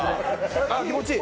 あっ、気持ちいい。